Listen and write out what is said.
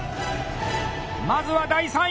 まずは第３位！